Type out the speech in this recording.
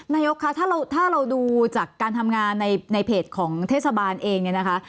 นายกคะถ้าเราดูจากการทำงานในเพจของเทศบาลเองเนี่ยนะคะ